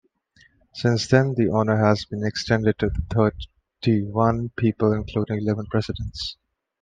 Since then, the honor has been extended to thirty-one people, including eleven Presidents.